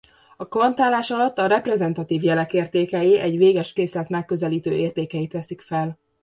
A kvantálás alatt a reprezentatív jelek értékei egy véges készlet megközelítő értékeit veszik fel.